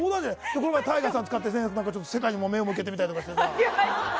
この間はＴＡＩＧＡさん使って世界に目を向けてみたりしてさ。